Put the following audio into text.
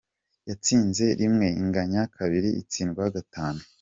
Yatsinze rimwe, inganya kabiri itsindwa gatanu.